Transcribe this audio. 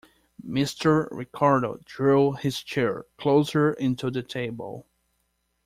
Mr. Ricardo drew his chair closer in to the table.